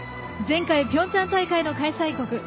前回、ピョンチャン大会の開催国。